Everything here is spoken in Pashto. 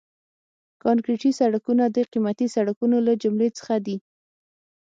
کانکریټي سړکونه د قیمتي سړکونو له جملې څخه دي